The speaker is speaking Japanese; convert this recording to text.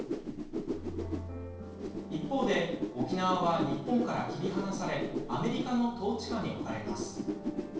一方で沖縄は日本から切り離されアメリカの統治下に置かれます。